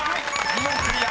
２問クリア！